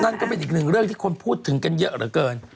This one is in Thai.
นั่นก็เป็นอีกหนึ่งเรื่องที่คนพูดถึงกันเยอะเหลือเกิน